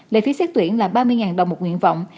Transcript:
lời thí xét tuyển là ba mươi đồng một nguyện vọng